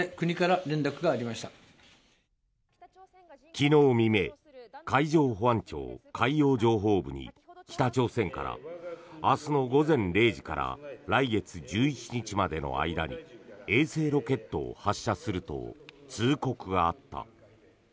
昨日未明海上保安庁海洋情報部に北朝鮮から明日の午前０時から来月１１日までの間に衛星ロケットを発射すると通告があった。